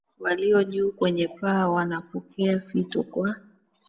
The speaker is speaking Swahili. walio juu kwenye paa wanapokea fito kwa